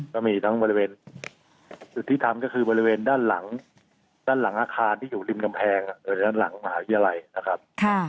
ก็มีทางบริเวณที่เราทำก็คืออาคารที่อยู่ริมกำแพงทางหลังมหาวิทยาลัยนะครับ